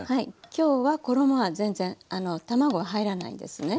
今日は衣は全然卵は入らないですね。